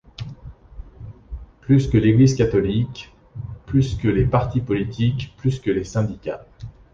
Plus que l’Église catholique, plus que les partis politiques, plus que les syndicats.